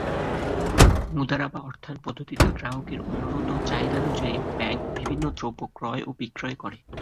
মুদারাবা অর্থায়ন পদ্ধতিতে গ্রাহকের অনুরোধ ও চাহিদানুযায়ী ব্যাংক বিভিন্ন দ্রব্য ক্রয় ও বিক্রয় করে।